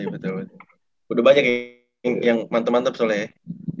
betul udah banyak yang mantep mantep soalnya